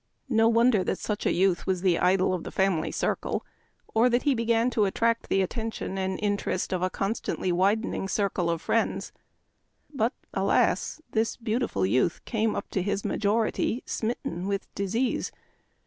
No wonder that such a youth was the idol of the family circle, or that he began to attract the attention and interest of a constantly widen ing circle of friends. But, alas ! this beautiful youth came up to his majority smitten with disease.